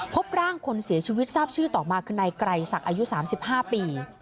พบร่างคนเสียชีวิตทราบชื่อต่อมาคือในไกลศักดิ์อายุสามสิบห้าปี